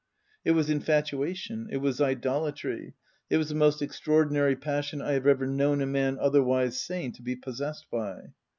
It was infatuation ; it was idolatry ; it was the most extraordinary passion I have ever known a man otherwise sane to be possessed by.